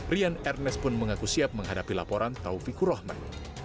rian ernest pun mengaku siap menghadapi laporan taufik kurohman